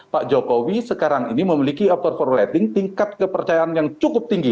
pak jokowi sekarang ini memiliki opporting tingkat kepercayaan yang cukup tinggi